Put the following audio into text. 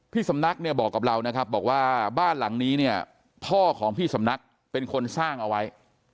พี่สำนักเนี่ยบอกกับเรานะครับบอกว่าบ้านหลังนี้เนี่ยพ่อของพี่สำนักเป็นคนสร้างเอาไว้